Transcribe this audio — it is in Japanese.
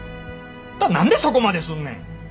あんた何でそこまですんねん。